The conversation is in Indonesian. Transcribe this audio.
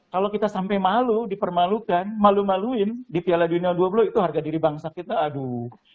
kalau kita sampai malu dipermalukan malu maluin di piala dunia u dua puluh itu harga diri bangsa kita aduh